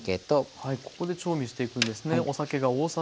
はいここで調味していくんですね。